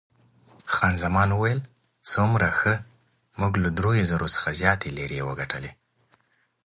خان زمان وویل، څومره ښه، موږ له دریو زرو څخه زیاتې لیرې وګټلې.